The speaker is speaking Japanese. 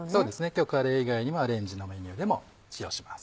今日カレー以外にもアレンジのメニューでも使用します。